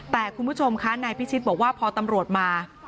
แต่คุณผู้ชมคะนายพิชิตบอกว่าพอตำรวจมา